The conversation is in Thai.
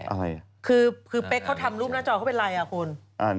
คือเป๊กเค้าทำรูปหน้าจอก็เป็นอะไรอะคุณ